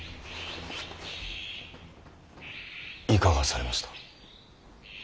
いかがされました。